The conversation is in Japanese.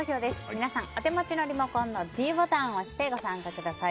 皆さんお手持ちのリモコンのｄボタンを押して投票にご参加ください。